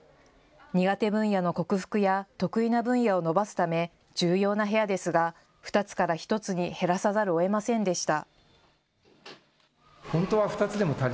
苦手分野の克服や得意な分野を伸ばすため重要な部屋ですが２つから１つに減らさざるをえませんでした。